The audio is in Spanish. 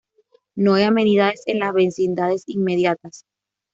No hay amenidades en las vecindades inmediatas.